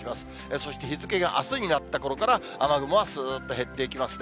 そして日付があすになったころから雨雲はすーっと減っていきますね。